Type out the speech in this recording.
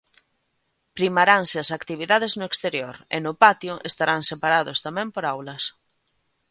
Primaranse as actividades no exterior e no patio estarán separados tamén por aulas.